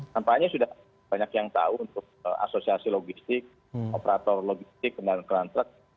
sampahnya sudah banyak yang tahu untuk asosiasi logistik operator logistik dan kelantrak